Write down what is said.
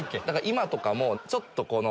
今もちょっとこの。